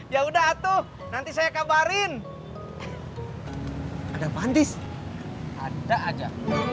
ya udah tuh nanti saya kabarin ada mandis ada ada